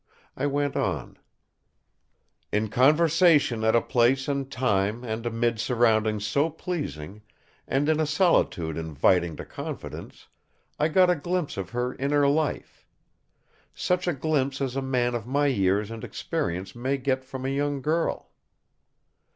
I went on: "In conversation at a place and time and amid surroundings so pleasing, and in a solitude inviting to confidence, I got a glimpse of her inner life. Such a glimpse as a man of my years and experience may get from a young girl!"